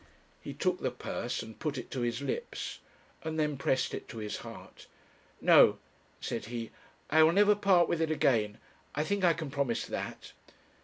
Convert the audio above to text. He took the purse, and put it to his lips, and then pressed it to his heart. 'No,' said he, 'I will never part with it again. I think I can promise that.'